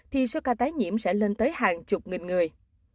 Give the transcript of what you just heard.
thì số ca tái nhiễm sẽ lên tới hàng chục nghìn người